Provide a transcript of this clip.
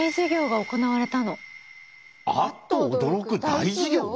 アッと驚く大事業！